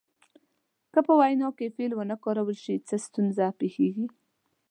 که په وینا کې فعل ونه کارول شي څه ستونزه پیښیږي.